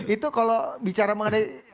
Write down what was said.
itu kalau bicara mengenai